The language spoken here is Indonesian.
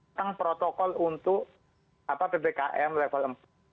setengah protokol untuk bdkm level dua dan satu